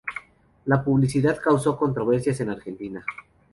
La publicidad causó controversias en Argentina.